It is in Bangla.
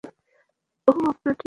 ও আপনার ঠিকানা বলেছিল।